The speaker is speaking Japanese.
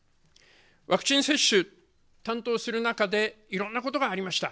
ワクチン接種、担当する中でいろんなことがありました。